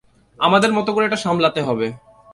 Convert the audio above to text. আমাদের মতো করে এটা সামলাতে হবে।